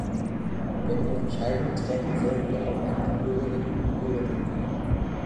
Wenn wir Entscheidungen treffen, sollten wir auch an die Bürgerinnen und Bürger denken.